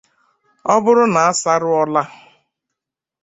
ọ bụrụ na ọ sarụọla